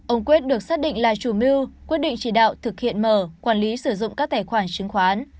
ông quyết được xác định là chủ mưu quyết định chỉ đạo thực hiện mở quản lý sử dụng các tài khoản chứng khoán